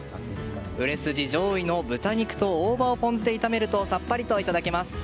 売れ筋上位の豚肉と大葉をポン酢で炒めるとさっぱりといただけます。